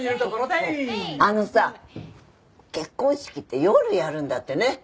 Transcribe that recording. あのさ結婚式って夜やるんだってね。